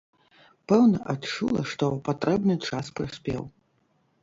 Пэўна, адчула, што патрэбны час прыспеў.